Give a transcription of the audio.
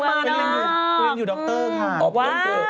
เขาเรียนอยู่ดรค่ะ